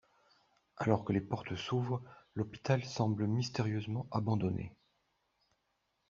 Alors que les portes s'ouvrent, l'hôpital semble mystérieusement abandonné.